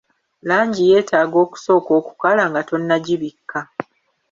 Langi yeetaaga okusooka okukala nga tonnagibikka.